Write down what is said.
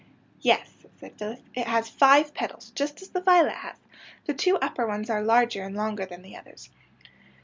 '^ Yes," said Phyllis, ^^ it has five petals, just as the violet has. The two upper ones are larger and longer than the others."